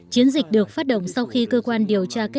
chiến dịch được phát động sau khi cơ quan đại học của trung quốc